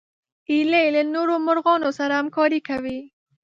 هیلۍ له نورو مرغانو سره همکاري کوي